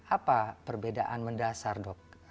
apa perbedaan mendasar dok